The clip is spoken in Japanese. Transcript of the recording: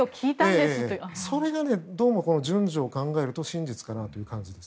それが順序を考えると真実かなという感じです。